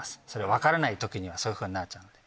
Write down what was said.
分からない時にはそういうふうになっちゃうんで。